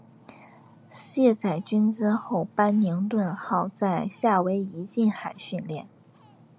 卸载军资后班宁顿号在夏威夷近海训练。